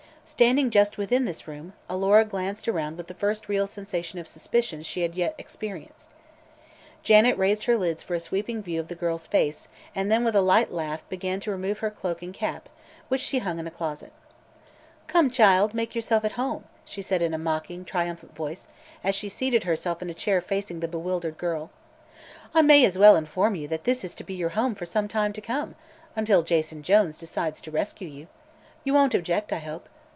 Standing just within this room, Alora glanced around with the first real sensation of suspicion she had yet experienced. Janet raised her lids for a sweeping view of the girl's face and then with a light laugh began to remove her own cloak and cap, which she hung in a closet. "Come, child, make yourself at home," she said in a mocking, triumphant voice, as she seated herself in a chair facing the bewildered girl. "I may as well inform you that this is to be your home for some time to come until Jason Jones decides to rescue you. You won't object, I hope?